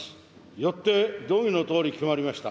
よって、動議のとおり決まりました。